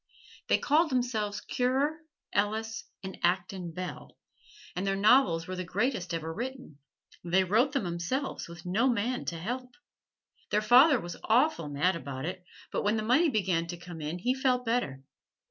They called 'emselves Currer, Ellis and Acton Bell, and their novels were the greatest ever written they wrote them 'emselves with no man to help. Their father was awful mad about it, but when the money began to come in he felt better.